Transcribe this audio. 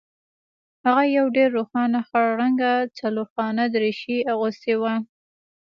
هغه یو ډیر روښانه خړ رنګه څلورخانه دریشي اغوستې وه